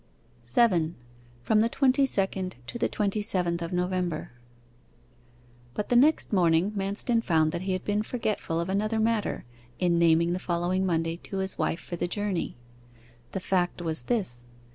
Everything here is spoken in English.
7. FROM THE TWENTY SECOND TO THE TWENTY SEVENTH OF NOVEMBER But the next morning Manston found that he had been forgetful of another matter, in naming the following Monday to his wife for the journey. The fact was this.